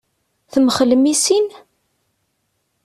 Temxellem i sin?